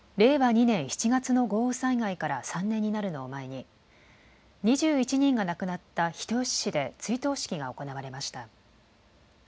２年７月の豪雨災害から３年になるのを前に２１人が亡くなった人吉市で追悼式が行われました。